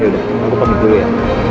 oke udah aku pergi dulu ya